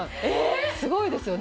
すごいですよね。